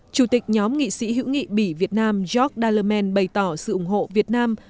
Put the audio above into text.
chủ tịch nhóm nghị sĩ hữu nghị bỉ việt nam jock dallerman bày tỏ sự ủng hộ việt nam